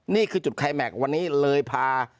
นี่คือจุดไคแม็กซ์วันนี้เลยพา